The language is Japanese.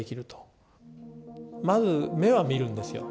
まず目を見るんですよ。